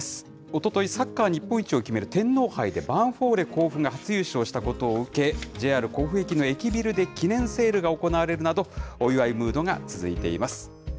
おととい、サッカー日本一を決める天皇杯でヴァンフォーレ甲府が初優勝したことを受け、ＪＲ甲府駅の駅ビルで記念セールが行われるなど、お祝いムードが続いています。